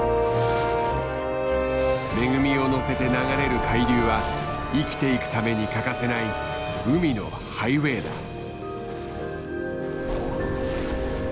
恵みを乗せて流れる海流は生きていくために欠かせない海のハイウエーだ。